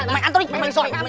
mày mày mày mày mày